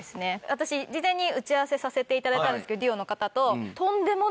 私事前に打ち合わせさせて頂いたんですけどＤＵＯの方と。